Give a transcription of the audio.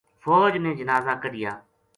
فوج نے جنازہ کَڈھیا